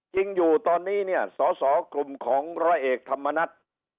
จริงอยู่ตอนนี้เนี่ยสสกลุ่มของร้อยเอกธรรมนัฐ